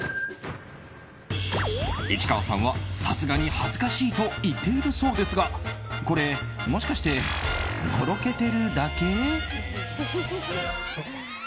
市川さんはさすがに恥ずかしいと言っているそうですがこれ、もしかしてのろけてるだけ？